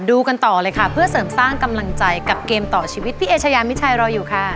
กันต่อเลยค่ะเพื่อเสริมสร้างกำลังใจกับเกมต่อชีวิตพี่เอชายามิชัยรออยู่ค่ะ